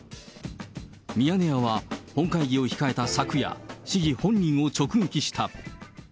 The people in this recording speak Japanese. ミヤネ屋は本会議を控えた昨夜、市議本人を直撃した。